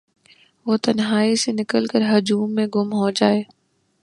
وہ تنہائی سے نکل کرہجوم میں گم ہوجائے